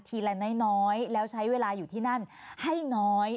ละน้อยแล้วใช้เวลาอยู่ที่นั่นให้น้อย